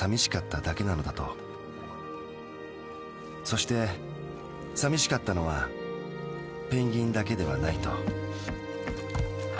そしてさみしかったのはペンギンだけではないと。